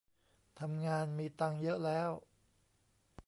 ทำงานมีตังค์เยอะแล้ว